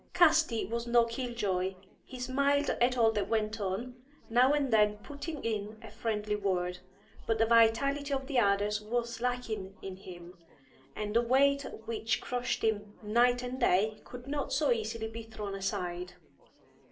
Casti was no kill joy; he smiled at all that went on, now and then putting in a friendly word; but the vitality of the others was lacking in him, and the weight which crushed him night and day could not so easily be thrown aside.